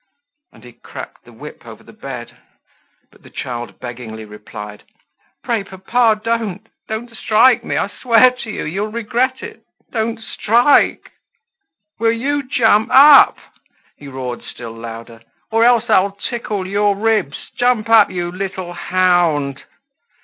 And he cracked the whip over the bed. But the child beggingly replied: "Pray, papa, don't—don't strike me. I swear to you you will regret it. Don't strike!" "Will you jump up?" he roared still louder, "or else I'll tickle your ribs! Jump up, you little hound!"